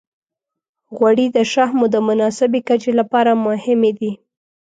غوړې د شحمو د مناسبې کچې لپاره هم مهمې دي.